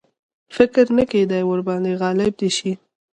فکر نه کېدی ورباندي غالب دي شي.